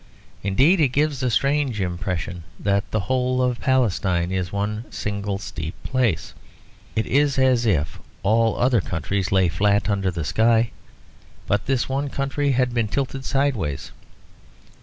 Indeed it gives a strange impression that the whole of Palestine is one single steep place. It is as if all other countries lay flat under the sky, but this one country had been tilted sideways.